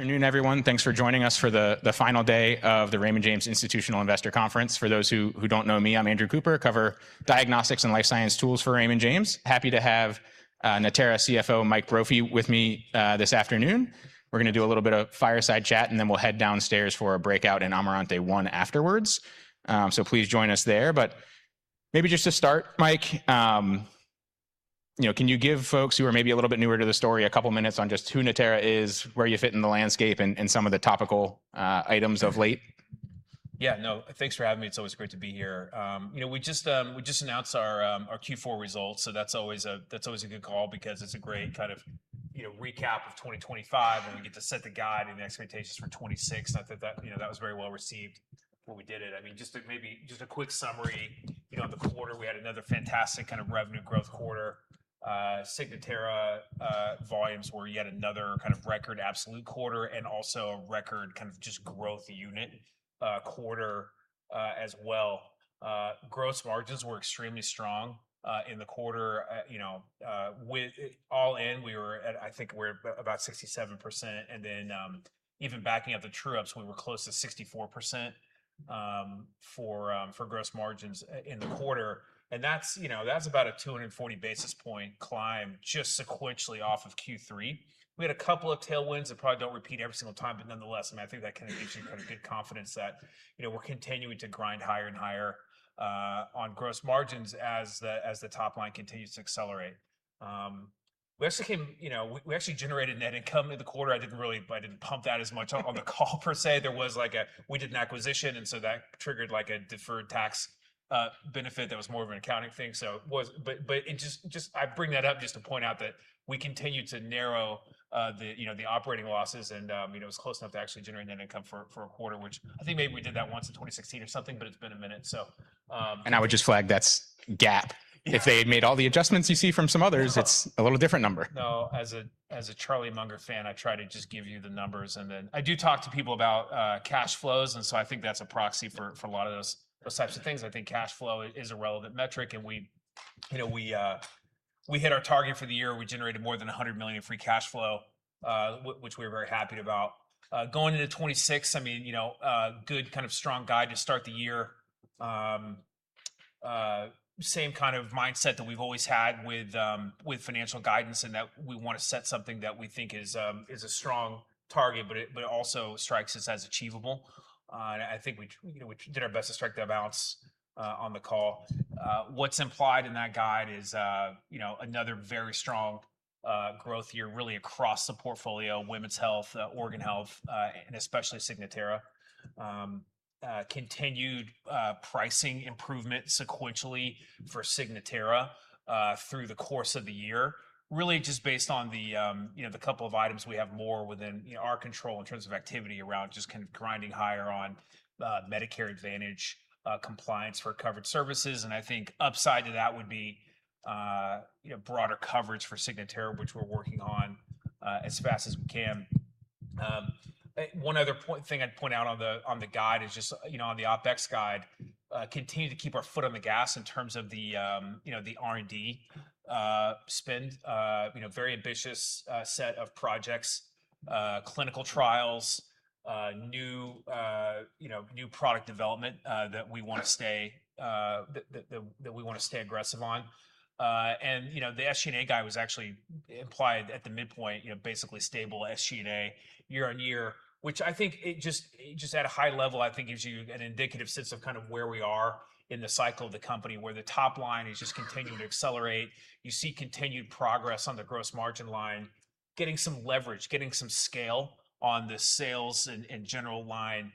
Good noon, everyone. Thanks for joining us for the final day of the Raymond James Institutional Investors Conference. For those who don't know me, I'm Andrew Cooper, cover diagnostics and life science tools for Raymond James. Happy to have Natera CFO, Mike Brophy, with me this afternoon. We're gonna do a little bit of fireside chat, and then we'll head downstairs for a breakout in Amarante One afterwards. Please join us there. Maybe just to start, Mike, you know, can you give folks who are maybe a little bit newer to the story a couple minutes on just who Natera is, where you fit in the landscape, and some of the topical items of late? Yeah, no. Thanks for having me. It's always great to be here. You know, we just announced our Q4 results. That's always a good call because it's a great kind of, you know, recap of 2025, and we get to set the guide and the expectations for 2026. I thought that, you know, that was very well-received when we did it. I mean, just a quick summary, you know, on the quarter we had another fantastic kind of revenue growth quarter. Signatera volumes were yet another kind of record absolute quarter, and also a record kind of just growth unit quarter as well. Gross margins were extremely strong in the quarter. You know, with all in we were at, I think we're about 67%, and then, even backing up the true ups, we were close to 64% for gross margins in the quarter. That's, you know, that's about a 240 basis point climb just sequentially off of Q3. We had a couple of tailwinds that probably don't repeat every single time, but nonetheless, I mean, I think that kind of gives you kind of good confidence that, you know, we're continuing to grind higher and higher on gross margins as the top line continues to accelerate. We also came, you know, we actually generated net income in the quarter. I didn't really, I didn't pump that as much up on the call per se. There was like a. We did an acquisition, that triggered like a deferred tax, benefit that was more of an accounting thing. I bring that up just to point out that we continue to narrow, the, you know, the operating losses and, you know, it was close enough to actually generate net income for a quarter, which I think maybe we did that once in 2016 or something, but it's been a minute. I would just flag that's GAAP. Yeah. If they had made all the adjustments you see from some others, it's a little different number. No, as a Charlie Munger fan, I try to just give you the numbers and then. I do talk to people about cash flows, and so I think that's a proxy for a lot of those types of things. I think cash flow is a relevant metric, and we, you know, we hit our target for the year. We generated more than $100 million of free cash flow, which we're very happy about. Going into 2026, I mean, you know, a good kind of strong guide to start the year. Same kind of mindset that we've always had with financial guidance, in that we want to set something that we think is a strong target, but it also strikes us as achievable. I think we you know, we did our best to strike that balance on the call. What's implied in that guide is, you know, another very strong growth year really across the portfolio, Women's Health, Organ Health, and especially Signatera. Continued pricing improvement sequentially for Signatera through the course of the year, really just based on the, you know, the couple of items we have more within, you know, our control in terms of activity around just grinding higher on Medicare Advantage compliance for covered services. I think upside to that would be, you know, broader coverage for Signatera, which we're working on as fast as we can. One other point, thing I'd point out on the guide is just, you know, on the OpEx guide, continue to keep our foot on the gas in terms of the, you know, the R&D spend. You know, very ambitious set of projects, clinical trials, new, you know, new product development that we wanna stay aggressive on. You know, the SG&A guide was actually implied at the midpoint, you know, basically stable SG&A year-on-year, which I think it just at a high level I think gives you an indicative sense of kind of where we are in the cycle of the company, where the top line is just continuing to accelerate. You see continued progress on the gross margin line, getting some leverage, getting some scale on the sales and general line,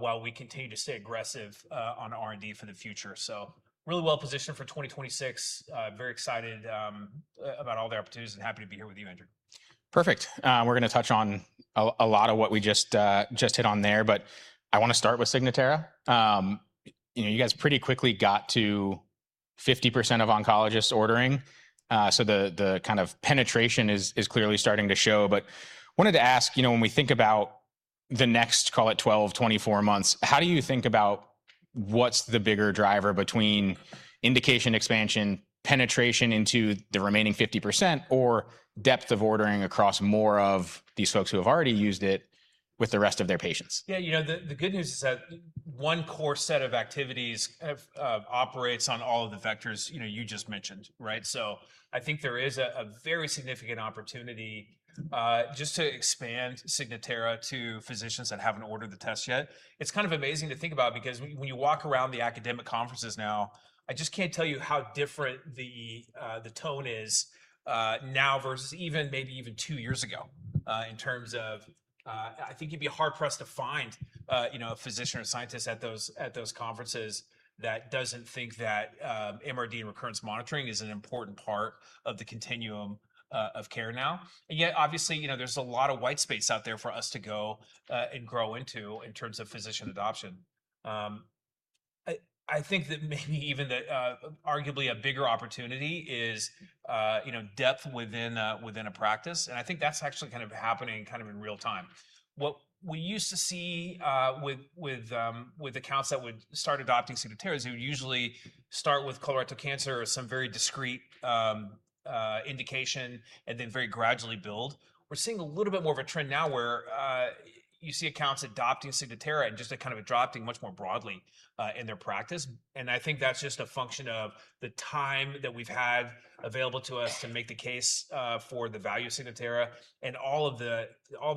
while we continue to stay aggressive on R&D for the future. Really well-positioned for 2026. Very excited about all the opportunities and happy to be here with you, Andrew. Perfect. We're gonna touch on a lot of what we just hit on there, I wanna start with Signatera. You know, you guys pretty quickly got to 50% of oncologists ordering, the kind of penetration is clearly starting to show. Wanted to ask, you know, when we think about the next, call it 12, 24 months, how do you think about what's the bigger driver between indication expansion, penetration into the remaining 50%, or depth of ordering across more of these folks who have already used it with the rest of their patients? You know, the good news is that one core set of activities of operates on all of the vectors, you know, you just mentioned, right? I think there is a very significant opportunity just to expand Signatera to physicians that haven't ordered the test yet. It's kind of amazing to think about, because when you walk around the academic conferences now, I just can't tell you how different the tone is now versus even maybe even two years ago in terms of... I think you'd be hard-pressed to find, you know, a physician or scientist at those conferences that doesn't think that MRD and recurrence monitoring is an important part of the continuum of care now. Yet, obviously, you know, there's a lot of white space out there for us to go and grow into in terms of physician adoption. I think that maybe even the arguably a bigger opportunity is, you know, depth within a, within a practice, and I think that's actually kind of happening kind of in real time. What we used to see with accounts that would start adopting Signatera is they would usually start with colorectal cancer or some very discreet indication and then very gradually build. We're seeing a little bit more of a trend now where You see accounts adopting Signatera and just a kind of adopting much more broadly in their practice. I think that's just a function of the time that we've had available to us to make the case for the value of Signatera and all the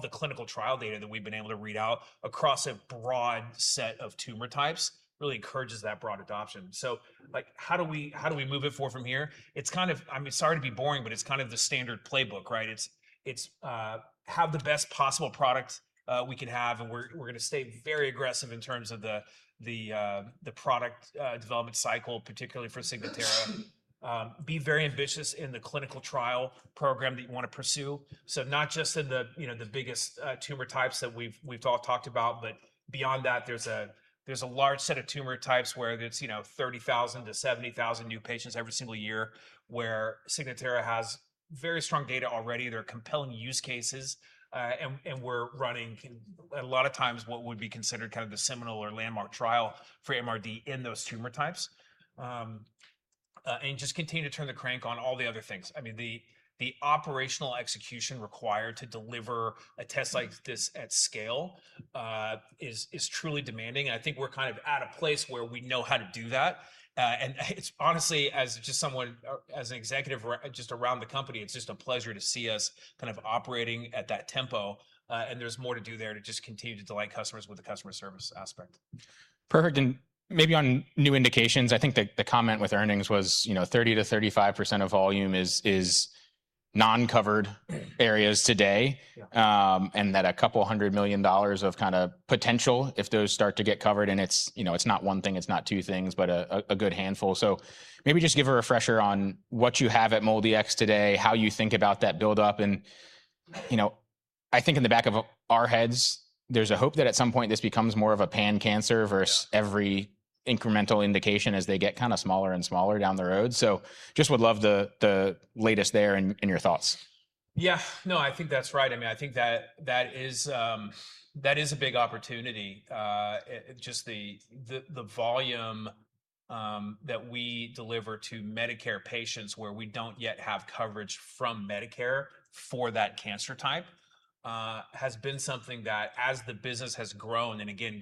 clinical trial data that we've been able to read out across a broad set of tumor types really encourages that broad adoption. Like, how do we, how do we move it forward from here? I mean, sorry to be boring, but it's kind of the standard playbook, right? It's, have the best possible product we can have, and we're gonna stay very aggressive in terms of the product development cycle, particularly for Signatera. Be very ambitious in the clinical trial program that you wanna pursue. Not just in the, you know, the biggest tumor types that we've all talked about, but beyond that, there's a large set of tumor types where it's, you know, 30,000-70,000 new patients every single year, where Signatera has very strong data already. There are compelling use cases, and we're running a lot of times what would be considered kind of the seminal or landmark trial for MRD in those tumor types. And just continue to turn the crank on all the other things. I mean, the operational execution required to deliver a test like this at scale, is truly demanding, and I think we're kind of at a place where we know how to do that. It's honestly, as just someone or as an executive just around the company, it's just a pleasure to see us kind of operating at that tempo. There's more to do there to just continue to delight customers with the customer service aspect. Perfect. Maybe on new indications, I think the comment with earnings was, you know, 30%-35% of volume is non-covered areas today. Yeah. That a $200 million of kind of potential if those start to get covered and it's, you know, it's not one thing, it's not two things, but a, a good handful. Maybe just give a refresher on what you have at MolDX today, how you think about that buildup, and, you know, I think in the back of our heads, there's a hope that at some point this becomes more of a pan-cancer versus every incremental indication as they get kind of smaller and smaller down the road. Just would love the latest there in your thoughts. Yeah. No, I think that's right. I mean, I think that is, that is a big opportunity. Just the volume that we deliver to Medicare patients where we don't yet have coverage from Medicare for that cancer type, has been something that as the business has grown, and again,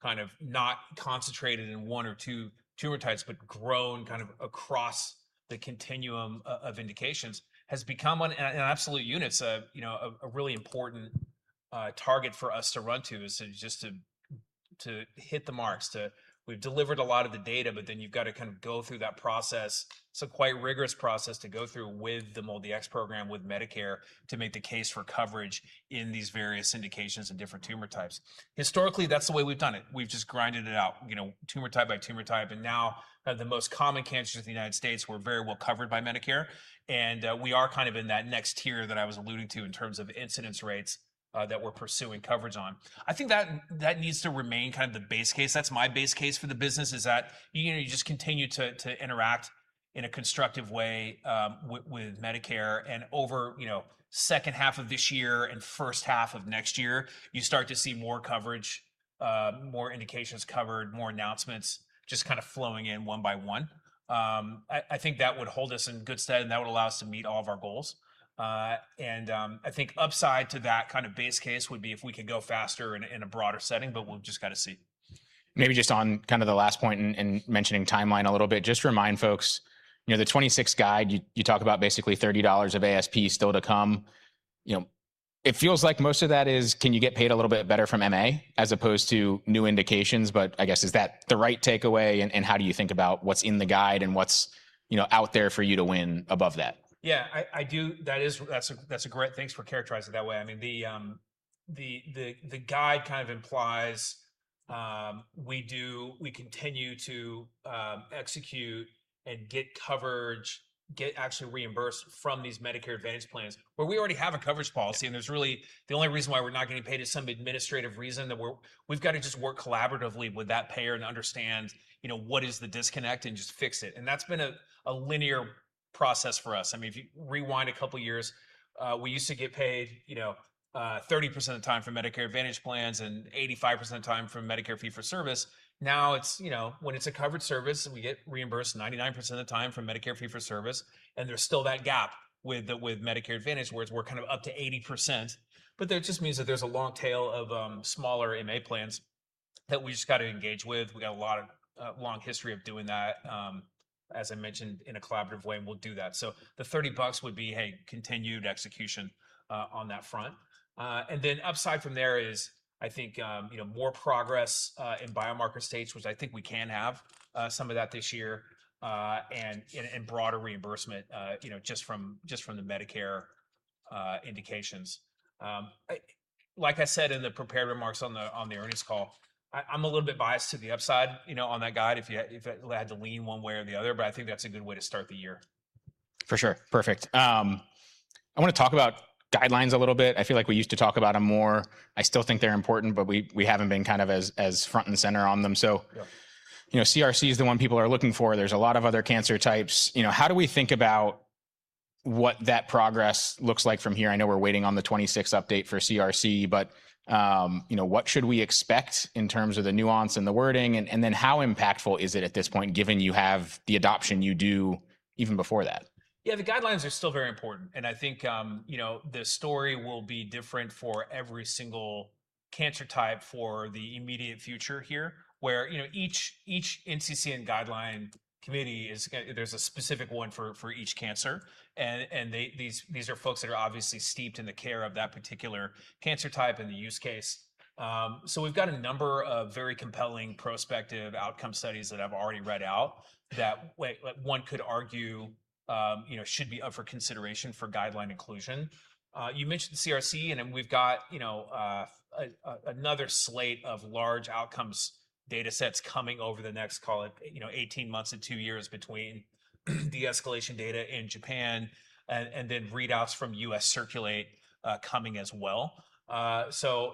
grown kind of not concentrated in one or two tumor types, but grown kind of across the continuum of indications, has become on, in absolute units a, you know, a really important target for us to run to. Just to hit the marks. We've delivered a lot of the data, but then you've got to kind of go through that process. It's a quite rigorous process to go through with the MolDX program, with Medicare to make the case for coverage in these various indications and different tumor types. Historically, that's the way we've done it. We've just grinded it out, you know, tumor type by tumor type, and now the most common cancers in the United States were very well covered by Medicare. We are kind of in that next tier that I was alluding to in terms of incidence rates that we're pursuing coverage on. I think that needs to remain kind of the base case. That's my base case for the business, is that, you know, you just continue to interact in a constructive way with Medicare. Over, you know, second half of this year and first half of next year, you start to see more coverage, more indications covered, more announcements just kind of flowing in one by one. I think that would hold us in good stead and that would allow us to meet all of our goals. And, I think upside to that kind of base case would be if we could go faster in a, in a broader setting, but we'll just gotta see. Maybe just on kind of the last point and mentioning timeline a little bit, just remind folks, you know, the 2026 guide, you talk about basically $30 of ASP still to come. You know, it feels like most of that is can you get paid a little bit better from MA as opposed to new indications. I guess, is that the right takeaway, and how do you think about what's in the guide and what's, you know, out there for you to win above that? Yeah. I do. That is, that's a great. Thanks for characterizing it that way. I mean, the, the guide kind of implies, we continue to execute and get coverage, get actually reimbursed from these Medicare Advantage plans, where we already have a coverage policy and there's really the only reason why we're not getting paid is some administrative reason that we've got to just work collaboratively with that payer and understand, you know, what is the disconnect and just fix it. That's been a linear process for us. I mean, if you rewind a couple years, we used to get paid, you know, 30% of the time for Medicare Advantage plans and 85% of the time for Medicare fee-for-service. It's, you know, when it's a covered service, we get reimbursed 99% of the time for Medicare fee-for-service, and there's still that gap with the, with Medicare Advantage, whereas we're kind of up to 80%. That just means that there's a long tail of smaller MA plans that we just got to engage with. We got a lot of long history of doing that, as I mentioned, in a collaborative way, and we'll do that. The $30 would be, hey, continued execution on that front. Then upside from there is, I think, you know, more progress in biomarker status, which I think we can have some of that this year, and broader reimbursement, you know, just from, just from the Medicare indications. Like I said in the prepared remarks on the earnings call, I'm a little bit biased to the upside, you know, on that guide, if I had to lean one way or the other. I think that's a good way to start the year. For sure. Perfect. I wanna talk about guidelines a little bit. I still think they're important, but we haven't been kind of as front and center on them. Yeah You know, CRC is the one people are looking for. There's a lot of other cancer types. You know, how do we think about what that progress looks like from here? I know we're waiting on the 2026 update for CRC, but, you know, what should we expect in terms of the nuance and the wording? Then how impactful is it at this point, given you have the adoption you do even before that? Yeah, the guidelines are still very important. I think, you know, the story will be different for every single cancer type for the immediate future here, where, you know, each NCCN guideline committee is there's a specific one for each cancer. These are folks that are obviously steeped in the care of that particular cancer type and the use case. So we've got a number of very compelling prospective outcome studies that I've already read out that one could argue, you know, should be up for consideration for guideline inclusion. You mentioned CRC, and then we've got, you know, a another slate of large outcomes datasets coming over the next, call it, you know, 18 months to two years between de-escalation data in Japan and then readouts from CIRCULATE-US coming as well. You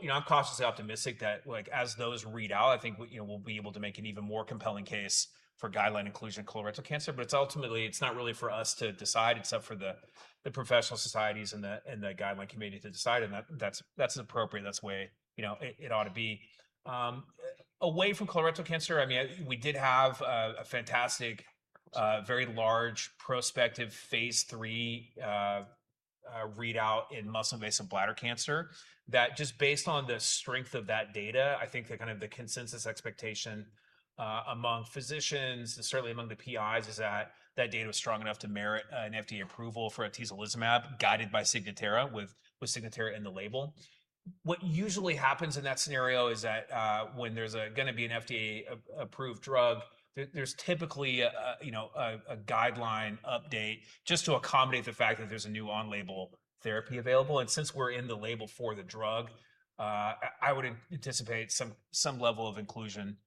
know, I'm cautiously optimistic that like as those read out, I think we, you know, we'll be able to make an even more compelling case for guideline inclusion colorectal cancer. It's ultimately, it's not really for us to decide. It's up for the professional societies and the guideline committee to decide, that's appropriate. That's the way, you know, it ought to be. Away from colorectal cancer, I mean, we did have a fantastic, very large prospective phase III readout in muscle-invasive bladder cancer that just based on the strength of that data, I think the kind of the consensus expectation among physicians and certainly among the PIs is that that data was strong enough to merit an FDA approval for atezolizumab, guided by Signatera with Signatera in the label. What usually happens in that scenario is that, when there's going to be an FDA approved drug, there's typically a, you know, a guideline update just to accommodate the fact that there's a new on-label therapy available. Since we're in the label for the drug, I would anticipate some level of inclusion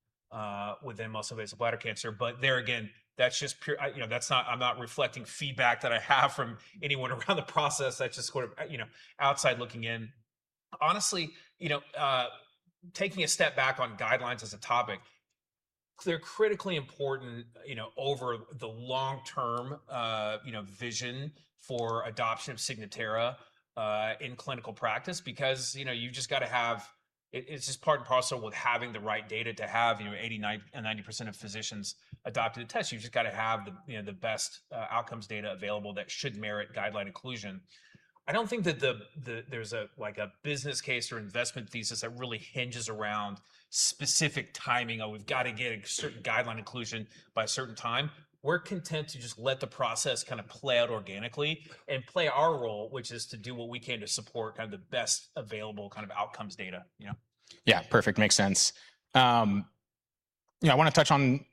within muscle-invasive bladder cancer. There again, that's just I, you know, I'm not reflecting feedback that I have from anyone around the process. That's just sort of, you know, outside looking in. Honestly, you know, taking a step back on guidelines as a topic, they're critically important, you know, over the long-term, you know, vision for adoption of Signatera in clinical practice because, you know, you've just got to have... It is part and parcel with having the right data to have, you know, 80%, 90%, and 90% of physicians adopt to the test. You've just got to have the, you know, the best outcomes data available that should merit guideline inclusion. I don't think that there's a, like a business case or investment thesis that really hinges around specific timing or we've got to get a certain guideline inclusion by a certain time. We're content to just let the process kind of play out organically and play our role, which is to do what we can to support kind of the best available kind of outcomes data, you know? Yeah, perfect. Makes sense. You know, I want to touch on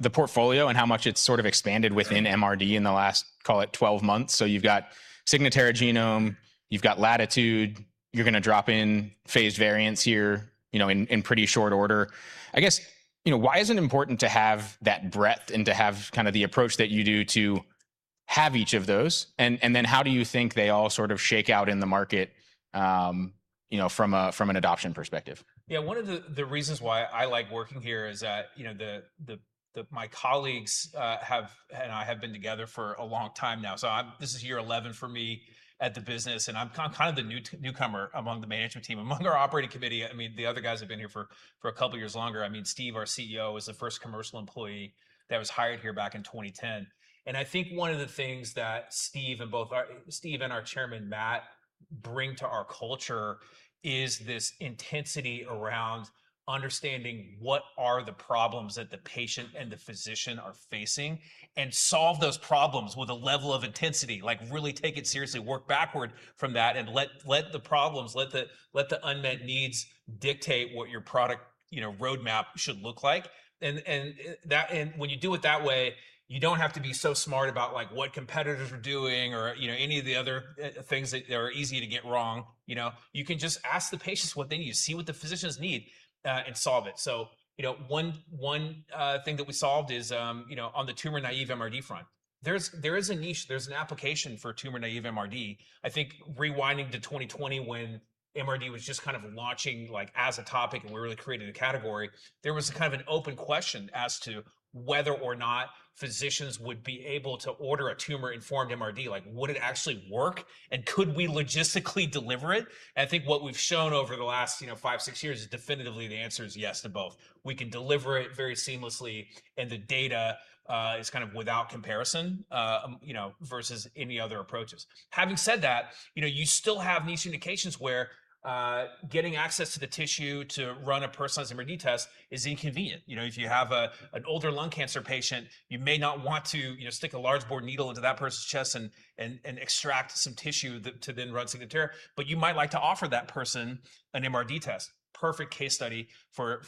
the portfolio and how much it's sort of expanded within MRD in the last, call it, 12 months. You've got Signatera Genome, you've got Latitude, you're going to drop in phased variants here, you know, in pretty short order. I guess, you know, why is it important to have that breadth and to have kind of the approach that you do to have each of those? Then how do you think they all sort of shake out in the market, you know, from a, from an adoption perspective? Yeah. One of the reasons why I like working here is that, you know, my colleagues have and I have been together for a long time now. This is year 11 for me at the business, and I'm kind of the newcomer among the management team, among our operating committee. I mean, the other guys have been here for a couple of years longer. I mean, Steve, our CEO, was the first commercial employee that was hired here back in 2010. I think one of the things that Steve and our Chairman, Matt, bring to our culture is this intensity around understanding what are the problems that the patient and the physician are facing and solve those problems with a level of intensity, like really take it seriously, work backward from that, and let the problems, let the unmet needs dictate what your product, you know, roadmap should look like. When you do it that way, you don't have to be so smart about, like, what competitors are doing or, you know, any of the other things that are easy to get wrong, you know. You can just ask the patients what they need, see what the physicians need and solve it. You know, one thing that we solved is, you know, on the tumor-naive MRD front. There is a niche, there's an application for tumor-naive MRD. I think rewinding to 2020 when MRD was just kind of launching, like, as a topic and we really created a category, there was kind of an open question as to whether or not physicians would be able to order a tumor-informed MRD, like would it actually work, and could we logistically deliver it? I think what we've shown over the last, you know, five, six years is definitively the answer is yes to both. We can deliver it very seamlessly, and the data is kind of without comparison, you know, versus any other approaches. Having said that, you know, you still have niche indications where, getting access to the tissue to run a personalized MRD test is inconvenient. You know, if you have an older lung cancer patient, you may not want to, you know, stick a large bore needle into that person's chest and extract some tissue to then run Signatera. You might like to offer that person an MRD test. Perfect case study for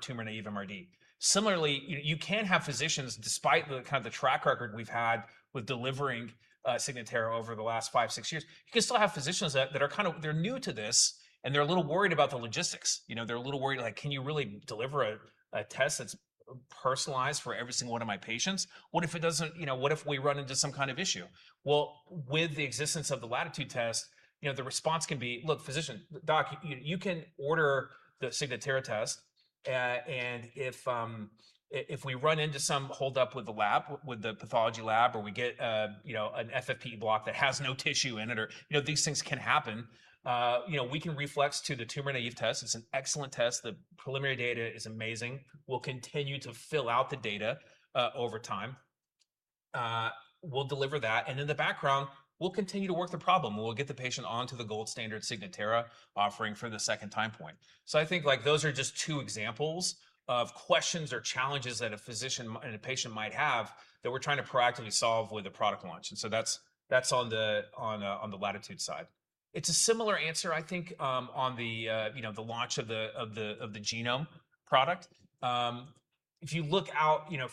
tumor-naive MRD. Similarly, you know, you can have physicians, despite the track record we've had with delivering, Signatera over the last five, six years, you can still have physicians that are new to this, and they're a little worried about the logistics. You know, they're a little worried, like, "Can you really deliver a test that's personalized for every single one of my patients? You know, what if we run into some kind of issue?" Well, with the existence of the Latitude test, you know, the response can be, "Look, physician, doc, you can order the Signatera test, if we run into some hold up with the lab, with the pathology lab, or we get a, you know, an FFPE block that has no tissue in it. You know, these things can happen. You know, we can reflex to the tumor-naive test. It's an excellent test. The preliminary data is amazing. We'll continue to fill out the data, over time. We'll deliver that, and in the background, we'll continue to work the problem, and we'll get the patient onto the gold standard Signatera offering for the second time point. I think, like, those are just two examples of questions or challenges that a physician and a patient might have that we're trying to proactively solve with a product launch. That's, that's on the Latitude side. It's a similar answer, I think, on the, you know, the launch of the Genome product. If you look out, you know,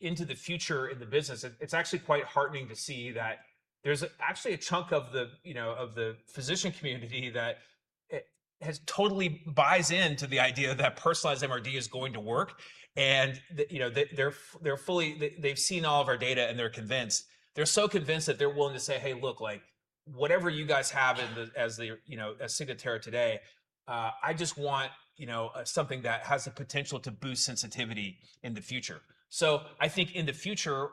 into the future in the business, it's actually quite heartening to see that there's actually a chunk of the, you know, of the physician community that it has totally buys into the idea that personalized MRD is going to work, and they've seen all of our data and they're convinced. They're so convinced that they're willing to say, "Hey look, like, whatever you guys have in the, as the, you know, as Signatera today, I just want, you know, something that has the potential to boost sensitivity in the future." So I think in the future,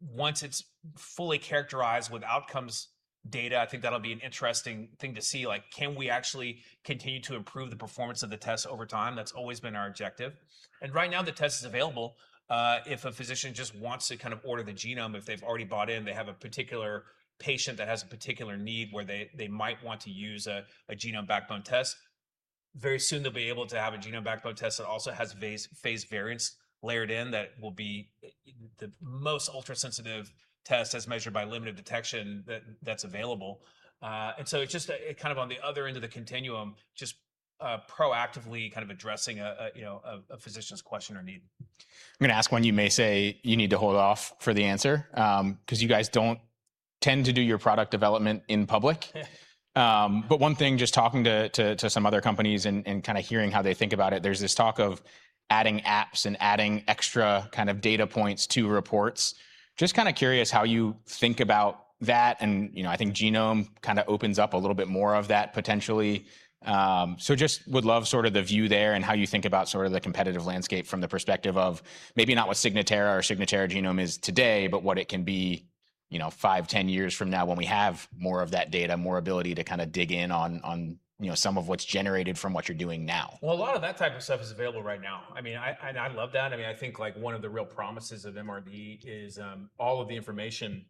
once it's fully characterized with outcomes data, I think that'll be an interesting thing to see. Like, can we actually continue to improve the performance of the test over time. That's always been our objective. Right now the test is available, if a physician just wants to kind of order the Genome, if they've already bought in, they have a particular patient that has a particular need where they might want to use a Genome backbone test. Very soon they'll be able to have a Genome backbone test that also has phased variants layered in that will be the most ultrasensitive test as measured by limit of detection that's available. It's just a kind of on the other end of the continuum, just proactively kind of addressing a, you know, a physician's question or need. I'm gonna ask one you may say you need to hold off for the answer, 'cause you guys don't tend to do your product development in public. One thing just talking to some other companies and kind of hearing how they think about it, there's this talk of adding apps and adding extra kind of data points to reports. Just kind of curious how you think about that and, you know, I think Genome kind of opens up a little bit more of that potentially. Just would love sort of the view there and how you think about sort of the competitive landscape from the perspective of maybe not what Signatera or Signatera Genome is today, but what it can be, you know, five, 10 years from now when we have more of that data, more ability to kind of dig in on, you know, some of what's generated from what you're doing now? Well, a lot of that type of stuff is available right now. I mean, I, and I love that. I mean, I think, like, one of the real promises of MRD is, all of the information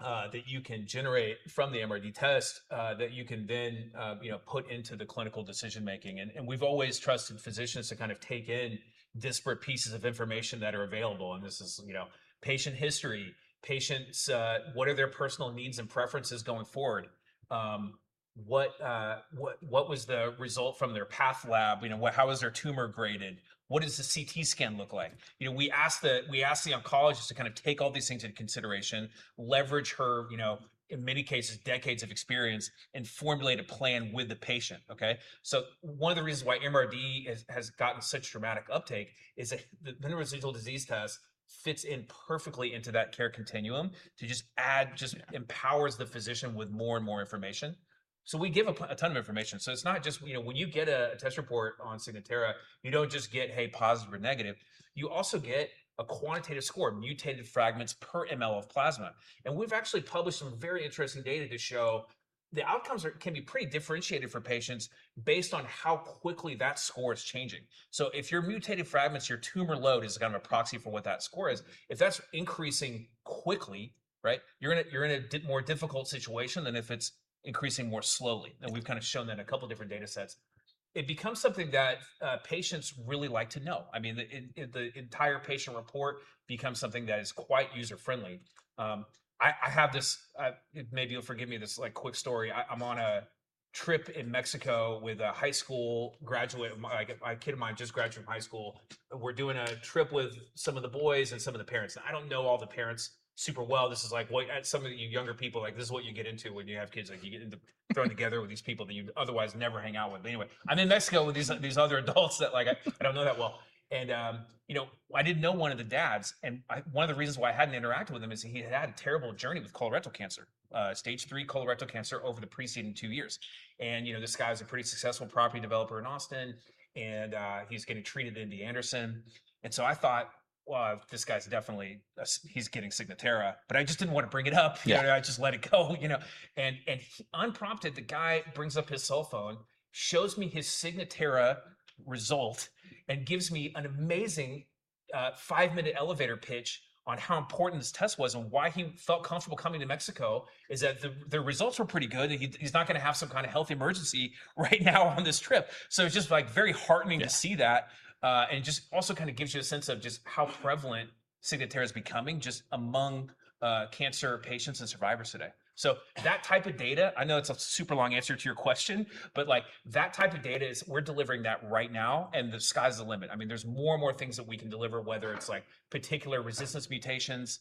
that you can generate from the MRD test, that you can then, you know, put into the clinical decision-making. We've always trusted physicians to kind of take in disparate pieces of information that are available, and this is, you know, patient history, patients', what are their personal needs and preferences going forward? What, what was the result from their path lab? You know, how is their tumor graded? What does the CT scan look like? You know, we ask the oncologist to kind of take all these things into consideration, leverage her, you know, in many cases, decades of experience, and formulate a plan with the patient, okay? One of the reasons why MRD has gotten such dramatic uptake is that the minimal residual disease test fits in perfectly into that care continuum to just empowers the physician with more and more information. We give a ton of information. It's not just You know, when you get a test report on Signatera, you don't just get, "Hey, positive or negative." You also get a quantitative score, mutated fragments per ML of plasma. We've actually published some very interesting data to show the outcomes are, can be pretty differentiated for patients based on how quickly that score is changing. If your mutated fragments, your tumor load is kind of a proxy for what that score is, if that's increasing quickly, right? You're in a more difficult situation than if it's increasing more slowly. We've kind of shown that in a couple different data sets. It becomes something that patients really like to know. I mean, the entire patient report becomes something that is quite user-friendly. I have this, maybe you'll forgive me this, like, quick story. I'm on a trip in Mexico with a high school graduate of my like a kid of mine just graduated high school. We're doing a trip with some of the boys and some of the parents. I don't know all the parents super well. This is like what, some of you younger people, like, this is what you get into when you have kids. Like, you get thrown together with these people that you'd otherwise never hang out with. I'm in Mexico with these other adults that, like, I don't know that well. You know, I didn't know one of the dads, and one of the reasons why I hadn't interacted with him is he had had a terrible journey with colorectal cancer, stage three colorectal cancer over the preceding two years. You know, this guy's a pretty successful property developer in Austin, and he's getting treated at MD Anderson. I thought, "Well, this guy's definitely getting Signatera." I just didn't wanna bring it up. Yeah. You know, I just let it go, you know? Unprompted, the guy brings up his cell phone, shows me his Signatera result, and gives me an amazing, five-minute elevator pitch on how important this test was and why he felt comfortable coming to Mexico, is that the results were pretty good, and he's not gonna have some kind of health emergency right now on this trip. It's just, like, very heartening to see that. Just also kind of gives you a sense of just how prevalent Signatera is becoming just among cancer patients and survivors today. That type of data, I know it's a super long answer to your question, but, like, that type of data is we're delivering that right now, and the sky's the limit. There's more and more things that we can deliver, whether it's, like, particular resistance mutations.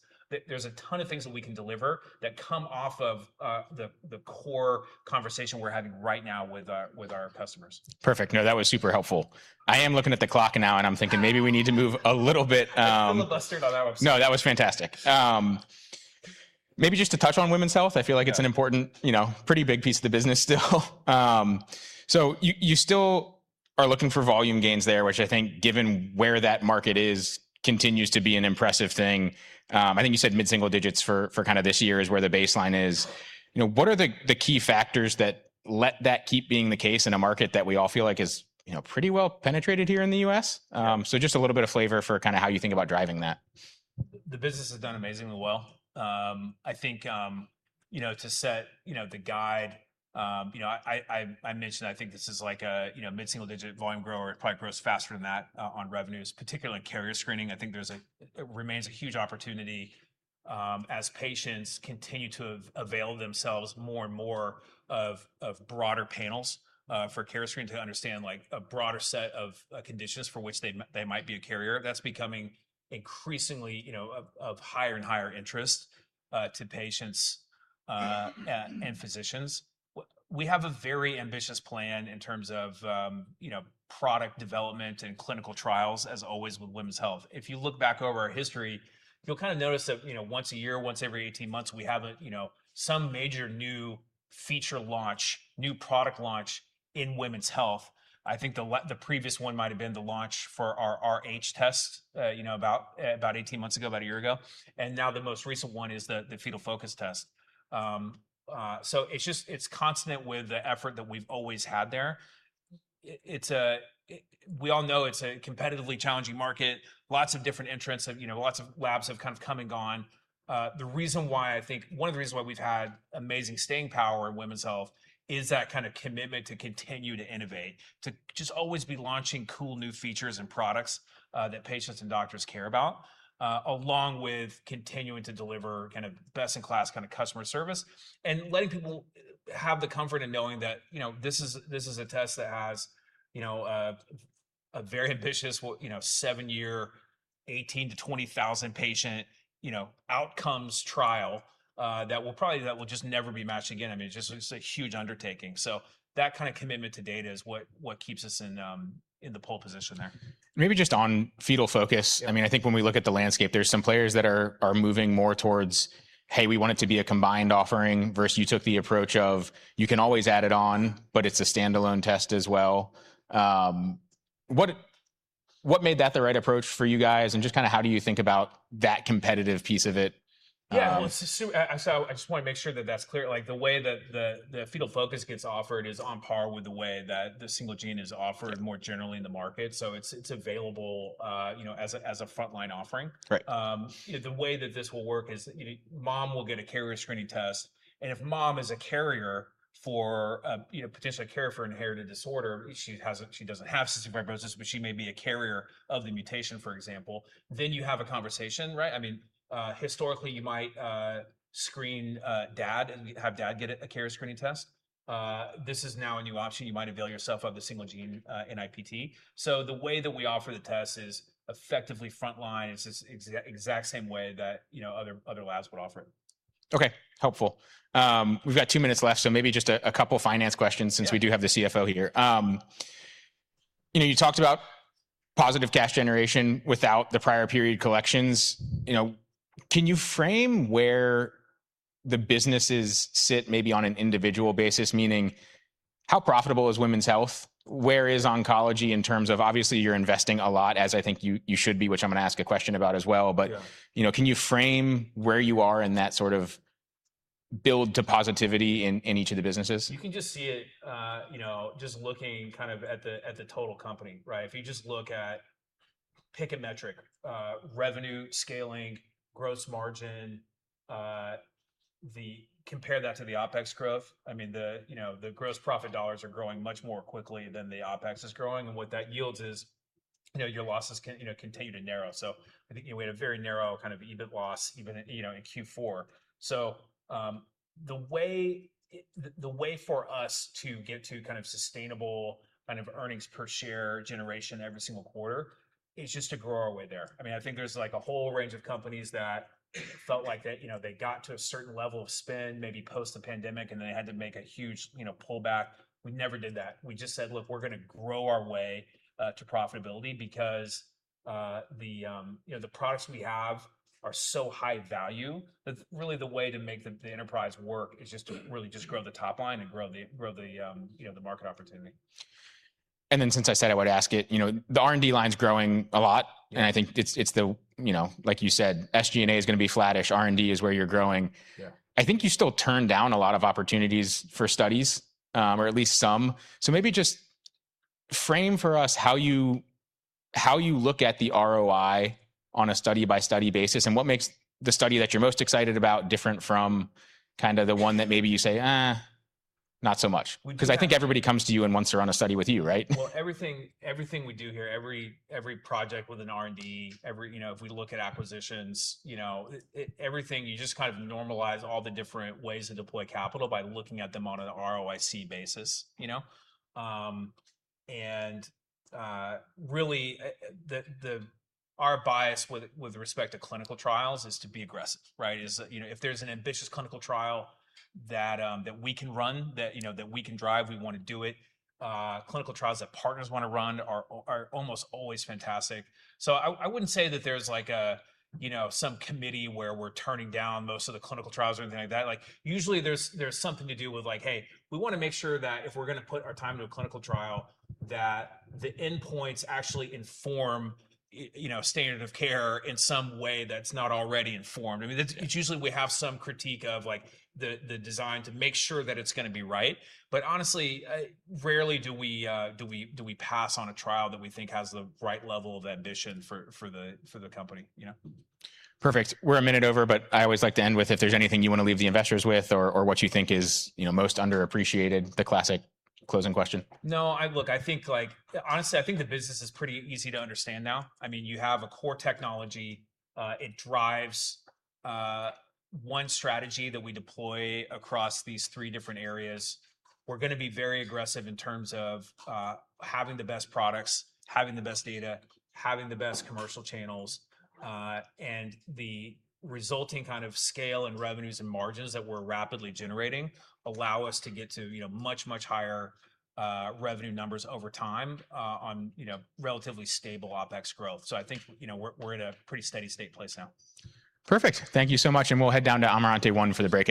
There's a ton of things that we can deliver that come off of the core conversation we're having right now with our customers. Perfect. No, that was super helpful. I am looking at the clock now, and I'm thinking maybe we need to move a little bit. I think I filibustered on that one. No, that was fantastic. Maybe just to touch on Women's Health. I feel like it's an important, you know, pretty big piece of the business still. You still are looking for volume gains there, which I think given where that market is, continues to be an impressive thing. I think you said mid-single digits for kind of this year is where the baseline is. You know, what are the key factors that let that keep being the case in a market that we all feel like is, you know, pretty well penetrated here in the U.S.? Just a little bit of flavor for kind of how you think about driving that. The business has done amazingly well. I think, you know, to set, you know, the guide, you know, I mentioned, I think this is like a, you know, mid-single-digit volume grower. It probably grows faster than that on revenues, particularly in carrier screening. I think there's it remains a huge opportunity as patients continue to avail themselves more and more of broader panels for carrier screening to understand, like, a broader set of conditions for which they might be a carrier. That's becoming increasingly, you know, of higher and higher interest to patients and physicians. We have a very ambitious plan in terms of, you know, product development and clinical trials, as always, with Women's Health. If you look back over our history, you'll kind of notice that, you know, once a year, once every 18 months, we have a, you know, some major new feature launch, new product launch in Women's Health. I think the previous one might have been the launch for our RH test, you know, about 18 months ago, about a year ago. The most recent one is the Fetal Focus test. It's just, it's consonant with the effort that we've always had there. We all know it's a competitively challenging market, lots of different entrants, you know, lots of labs have come and gone. The reason why I think one of the reasons why we've had amazing staying power in Women's Health is that kind of commitment to continue to innovate, to just always be launching cool new features and products, that patients and doctors care about, along with continuing to deliver kind of best in class kind of customer service and letting people have the comfort in knowing that, you know, this is, this is a test that has, you know, a very ambitious you know, seven-year, 18,000-20,000 patient, you know, outcomes trial, that will just never be matched again. I mean, it's just, it's a huge undertaking. That kind of commitment to data is what keeps us in the pole position there. Maybe just on Fetal Focus. I mean, I think when we look at the landscape, there's some players that are moving more towards, "Hey, we want it to be a combined offering," versus you took the approach of, you can always add it on, but it's a stand-alone test as well. What made that the right approach for you guys? Just kind of how do you think about that competitive piece of it. Yeah. I just want to make sure that that's clear. Like, the way that the Fetal Focus gets offered is on par with the way that the single gene is offered more generally in the market. It's available, you know, as a frontline offering. Right. The way that this will work is, you know, mom will get a carrier screening test, if mom is a carrier for a, you know, potential carrier for inherited disorder, she doesn't have cystic fibrosis, but she may be a carrier of the mutation, for example. You have a conversation, right? I mean, historically, you might screen dad and have dad get a carrier screening test. This is now a new option. You might avail yourself of the single gene NIPT. The way that we offer the test is effectively frontline. It's the exact same way that, you know, other labs would offer it. Okay, helpful. We've got two minutes left, so maybe just a couple finance questions— Yeah. — since we do have the CFO here. You know, you talked about positive cash generation without the prior period collections. You know, can you frame where the businesses sit maybe on an individual basis? Meaning how profitable is Women's Health? Where is Oncology in terms of. Obviously, you're investing a lot, as I think you should be, which I'm going to ask a question about as well. Yeah. You know, can you frame where you are in that sort of build to positivity in each of the businesses? You can just see it, you know, just looking kind of at the, at the total company, right? If you just look at, pick a metric, revenue, scaling, gross margin, compare that to the OpEx growth. I mean, the, you know, the gross profit dollars are growing much more quickly than the OpEx is growing, and what that yields is, you know, your losses continue to narrow. I think we had a very narrow kind of EBIT loss even, you know, in Q4. The way for us to get to kind of sustainable kind of earnings per share generation every single quarter is just to grow our way there. I mean, I think there's like a whole range of companies that felt like that, you know, they got to a certain level of spend, maybe post the pandemic, and then they had to make a huge, you know, pullback. We never did that. We just said, "Look, we're gonna grow our way to profitability," because the, you know, the products we have are so high value that really the way to make the enterprise work is just to really just grow the top line and grow the, you know, the market opportunity. Since I said I would ask it, you know, the R&D line's growing a lot. Yeah. I think it's the, you know, like you said, SG&A is gonna be flattish. R&D is where you're growing. Yeah. I think you still turn down a lot of opportunities for studies, or at least some. Maybe just frame for us how you, how you look at the ROI on a study-by-study basis, and what makes the study that you're most excited about different from kind of the one that maybe you say, "Eh, not so much"? We- 'Cause I think everybody comes to you and wants to run a study with you, right? Well, everything we do here, every project within R&D, every, you know, if we look at acquisitions, you know, everything, you just kind of normalize all the different ways to deploy capital by looking at them on an ROIC basis, you know. Really, our bias with respect to clinical trials is to be aggressive, right? Is, you know, if there's an ambitious clinical trial that we can run, that, you know, that we can drive, we wanna do it. Clinical trials that partners wanna run are almost always fantastic. I wouldn't say that there's like a, you know, some committee where we're turning down most of the clinical trials or anything like that. Like, usually there's something to do with like, hey, we wanna make sure that if we're gonna put our time into a clinical trial, that the endpoints actually inform you know, standard of care in some way that's not already informed. I mean, it's usually we have some critique of like the design to make sure that it's gonna be right. Honestly, rarely do we pass on a trial that we think has the right level of ambition for the company, you know? Perfect. We're a minute over. I always like to end with if there's anything you want to leave the investors with or what you think is, you know, most underappreciated, the classic closing question. No, I look, I think like. Honestly, I think the business is pretty easy to understand now. I mean, you have a core technology. It drives one strategy that we deploy across these three different areas. We're gonna be very aggressive in terms of having the best products, having the best data, having the best commercial channels, and the resulting kind of scale and revenues and margins that we're rapidly generating allow us to get to, you know, much higher revenue numbers over time, on, you know, relatively stable OpEx growth. I think, you know, we're at a pretty steady state place now. Perfect. Thank you so much, and we'll head down to Amarante One for the breakout.